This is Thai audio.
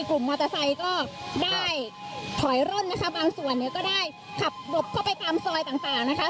กลุ่มมอเตอร์ไซค์ก็ได้ถอยร่นนะคะบางส่วนเนี่ยก็ได้ขับหลบเข้าไปตามซอยต่างต่างนะคะ